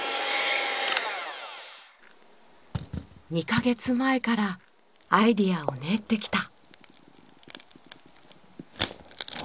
２カ月前からアイデアを練ってきた。